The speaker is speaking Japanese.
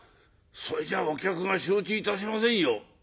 それじゃあお客が承知いたしませんよ」。